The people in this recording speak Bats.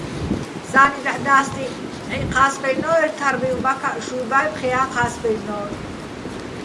სა́ნი დაჰ̦ და́სტიჼ, ნჵაჲჸი̆ ჴა́სბაჲლნო́ერ თარბივ, მაქაჸ შუ́ჲბა́ჲ, ფხეა́ ჴა́სბაჲლნო́რ.